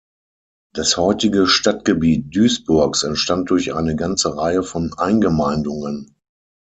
Das heutige Stadtgebiet Duisburgs entstand durch eine ganze Reihe von Eingemeindungen.